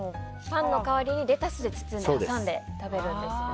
パンの代わりにレタスで包んで食べるんですよね。